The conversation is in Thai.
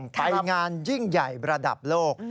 ไปงานยิ่งใหญ่ระดับโลก